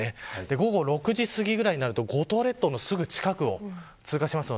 午後６時すぎくらいになると五島列島のすぐ近くを通過します。